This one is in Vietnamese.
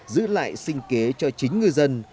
giữ lại sinh kế cho chính người dân